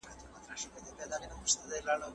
معلم سمیع په جومات کې خلکو ته د درس خبر ورکړ.